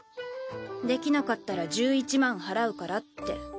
「できなかったら１１万払うから」って。